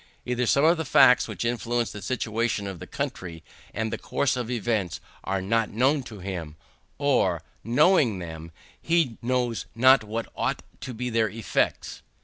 Either some of the facts which influence the situation of the country and the course of events are not known to him; or, knowing them, he knows not what ought to be their effects.